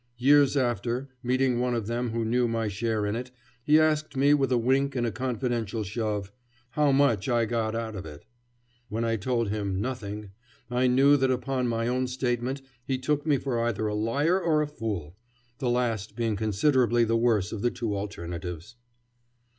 Years after, meeting one of them who knew my share in it, he asked me, with a wink and a confidential shove, "how much I got out of it." When I told him "nothing," I knew that upon my own statement he took me for either a liar or a fool, the last being considerably the worse of the two alternatives.